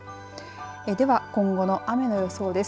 では今後の雨の予想です。